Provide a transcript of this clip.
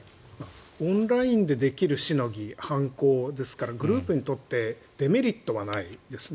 オンラインでできるしのぎ、犯行ですからグループにとってデメリットはないですね。